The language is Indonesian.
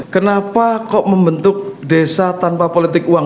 kenapa kok membentuk desa tanpa politik uang